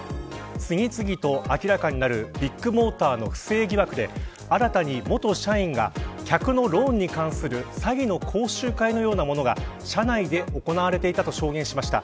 次々と明らかになるビックモーターの不正疑惑で新たに元社員が客のローンに関する詐欺の講習会のようなものが社内で行われていたと証言しました。